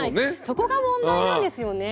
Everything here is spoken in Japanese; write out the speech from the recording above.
そこが問題なんですよね。